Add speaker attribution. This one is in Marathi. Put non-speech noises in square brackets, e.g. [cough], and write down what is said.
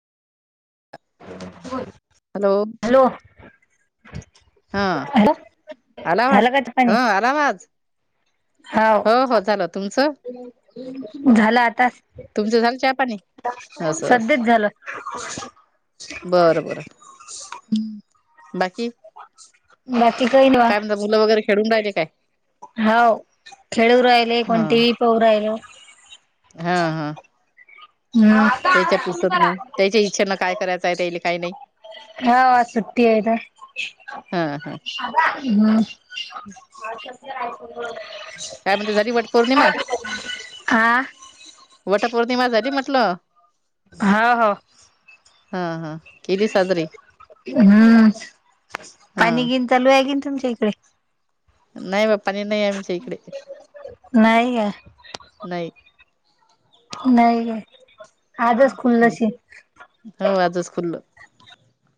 Speaker 1: बोल
Speaker 2: हॅलो
Speaker 1: हॅलो
Speaker 2: हा
Speaker 1: हॅलो
Speaker 2: आला आवाज
Speaker 1: झालं का पाणी
Speaker 2: हा आला आवाज? हो हो झालं तुमच?
Speaker 1: झाला आताच
Speaker 2: तुमचं झालं चहा पाणी? असं असं
Speaker 1: सध्याच झालं.
Speaker 2: बरं बरं बाकी?
Speaker 1: बाकी काही
Speaker 2: काय म्हणता मुलं वगैरे खेळून राहिले काय?
Speaker 1: हाव खेळू राहिले,
Speaker 2: हा
Speaker 1: कोण टी. व्ही पाहू राहिलो.
Speaker 2: हा, हा.
Speaker 1: हम्म
Speaker 2: तेच्या [unintelligible] नाही तेची इच्छेन काय करायचं आहे तेले
Speaker 1: हाव आज सुट्टी हेे ना.
Speaker 2: हा हा
Speaker 1: हम्.
Speaker 2: काय म्हणतीस झाली वट पौर्णिमा
Speaker 1: हा
Speaker 2: वट पौर्णिमा झाली म टलं?
Speaker 1: हा हो.
Speaker 2: हा, हा. केली साजरी
Speaker 1: हम्,
Speaker 2: हा
Speaker 1: पाणी गिन चालू आहे किन तुमच्या इ कडे
Speaker 2: नाही बा पाणी नाही आमच्या इकडे
Speaker 1: नाही का
Speaker 2: नाही.
Speaker 1: नाही का आजच
Speaker 2: हम्म.
Speaker 1: खुल्लशी,
Speaker 2: हो आजच खुल्लं